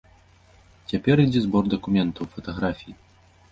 Цяпер ідзе збор дакументаў, фатаграфій.